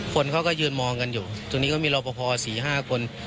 คนเขาก็ยืนมองกันอยู่ตรงนี้ก็มีรอประพอสี่ห้าคน